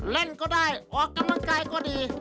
เล่นก็ได้ออกกำลังกายก็ดี